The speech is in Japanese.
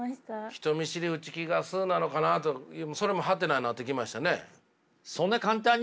人見知り内気が素なのかなとそれもハテナになってきましたね。